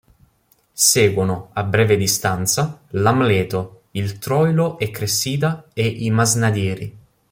Seguono, a breve distanza, l"'Amleto", il "Troilo e Cressida" e "I masnadieri".